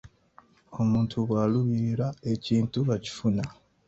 Omuntu bw’alubirira ekintu akifuna.